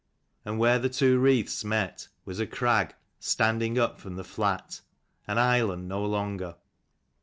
And where the two wreaths met was a crag, standing up from the flat ; an island no longer.